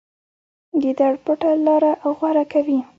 ګیدړ پټه لاره غوره کوي.